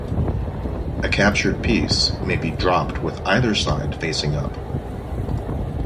A captured piece may be dropped with either side facing up.